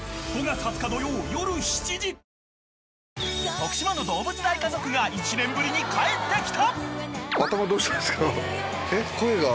［徳島のどうぶつ大家族が１年ぶりに帰ってきた］